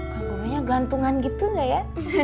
kang gurunya gelantungan gitu gak ya